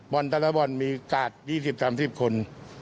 แต่ละบอลมีกาด๒๐๓๐คน